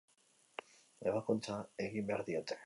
Ebakuntza egin behar diote.